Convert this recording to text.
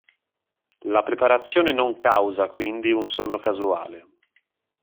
La preparazione non causa, quindi, un suono casuale.